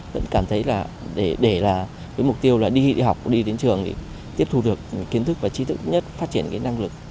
vẫn cảm thấy là để là với mục tiêu là đi học đi đến trường thì tiếp thu được kiến thức và trí thức nhất phát triển cái năng lực